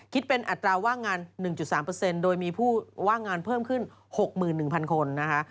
คิดเป็นอัตราว่างงาน๑๓เปอร์เซ็นต์โดยมีผู้ว่างงานเพิ่มขึ้น๖หมื่น๑พันคนนะคะ